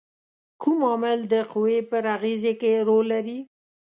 کوم عامل د قوې پر اغیزې کې رول لري؟